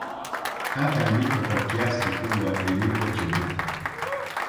hapa ndipo kwa kiasi kikubwa lilipo chimbuko